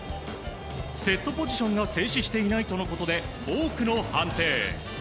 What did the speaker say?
セットポジションが静止していないとのことでボークの判定。